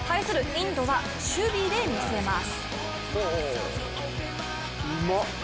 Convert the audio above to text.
インドは、守備で見せます。